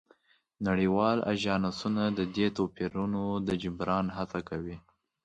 نړیوال اژانسونه د دې توپیرونو د جبران هڅه کوي